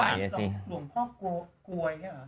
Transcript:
หลวงพ่อโกยใช่ไหม